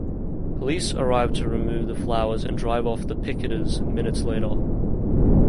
Police arrived to remove the flowers and drive off the picketers minutes later.